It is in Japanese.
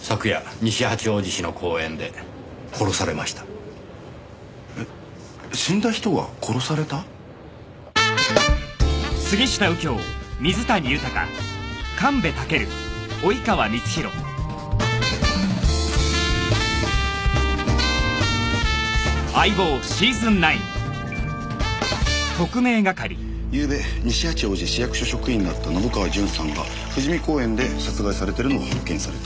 西八王子市役所職員だった信川順さんが富士美公園で殺害されているのが発見された」